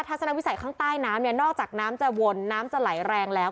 ทนวิสัยข้างใต้น้ำเนี่ยนอกจากน้ำจะวนน้ำจะไหลแรงแล้ว